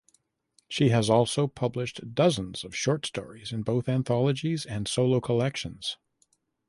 She has also published dozens of short stories in both anthologies and solo collections.